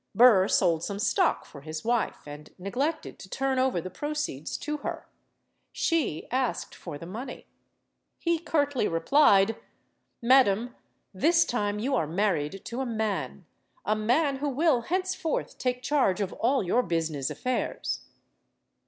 Burr sold some stock for his wife, and neglected to turn over the proceeds to her. She asked for the money. He curtly replied: "Madam, this time you are married to a man. A man who will henceforth take charge of all your busi ness affairs."